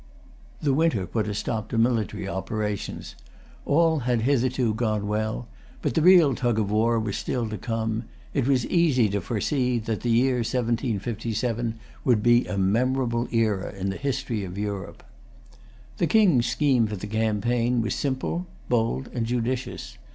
The winter put a stop to military operations. All had hitherto gone well. But the real tug of war was still to come. It was easy to foresee that the year 1757 would be a memorable era in the history of Europe. The King's scheme for the campaign was simple, bold, and judicious.